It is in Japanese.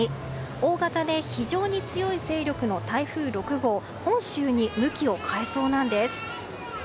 大型で非常に強い勢力の台風６号本州に向きを変えそうなんです。